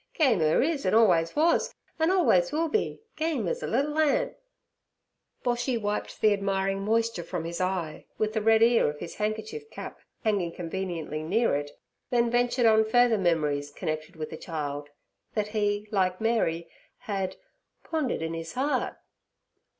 Game 'er is an' always wuz, an' always will be—game az a liddle ant!' Boshy wiped the admiring moisture from his eye with the red ear of his handkerchief cap hanging conveniently near it, then ventured on further memories connected with the child that he, like Mary, had 'pondered in his heart.'